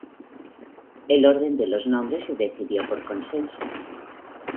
El orden de los nombres se decidió por consenso.